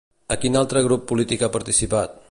A quin altre grup polític ha participat?